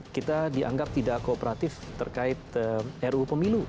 kita dianggap tidak kooperatif terkait ruu pemilu